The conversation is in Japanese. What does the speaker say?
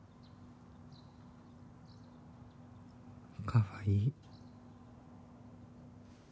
かわいい。